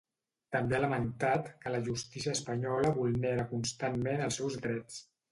També ha lamentat que la justícia espanyola vulnera constantment els seus drets.